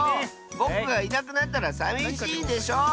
ぼくがいなくなったらさみしいでしょ！